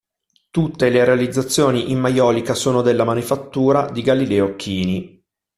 Tutte le realizzazioni in maiolica sono della manifattura di Galileo Chini.